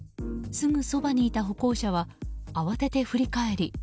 すぐそばにいた歩行者は慌てて振り返り。